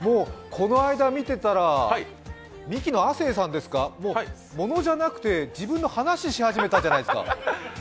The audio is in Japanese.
この間、見てたら、ミキの亜生さんですか、もうものじゃなくて、自分の話し始めたじゃないですか。